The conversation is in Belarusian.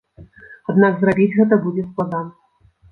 Аднак зрабіць гэта будзе складана.